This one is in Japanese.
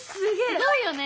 すごいよね！